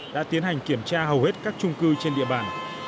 đã tiến hành kiểm tra hầu hết các trung cư trên địa bàn